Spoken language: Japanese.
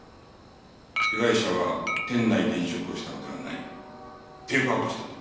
被害者は店内で飲食をしたのではないテイクアウトしたと。